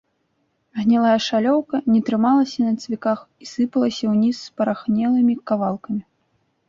Гнілая шалёўка не трымалася на цвіках і сыпалася ўніз спарахнелымі кавалкамі.